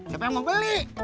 siapa yang mau beli